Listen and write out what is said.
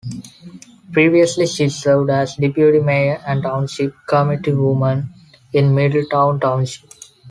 Previously, she served as Deputy Mayor and Township Committeewoman in Middletown Township.